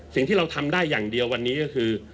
สิ่งที่เราทำได้อย่างเดียววันนี้ก็คือ